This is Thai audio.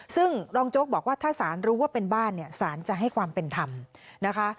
ซึ่งรองโจ๊กบอกว่าถ้าสารรู้ว่าเป็นบ้านเนี่ยสารจะให้ความเป็นธรรมนะคะ